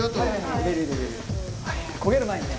焦げる前にね。